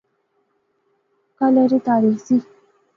کل آھری تاریخ ذی